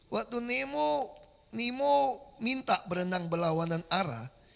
waktu nemo minta berenang berlawanan arah